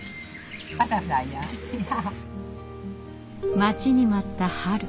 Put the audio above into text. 待ちに待った春。